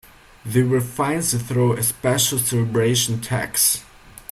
They were financed through a special celebration tax.